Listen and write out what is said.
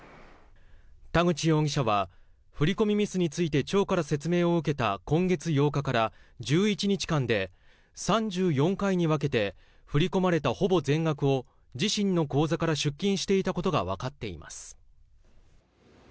田口容疑者は振り込みミスについて町から説明を受けた今月８日から１１日間で３４回に分けて振り込まれたほぼ全額を自身の口座から出金していたことがわかっています。